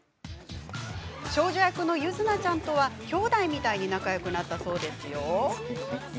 少女役の柚凪ちゃんとはきょうだいみたいに仲よくなったそうですよ。